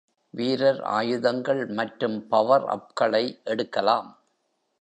வீரர் ஆயுதங்கள் மற்றும் பவர்-அப்களை எடுக்கலாம்.